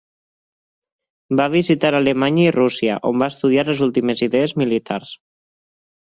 Va visitar Alemanya i Rússia, on va estudiar les últimes idees militars.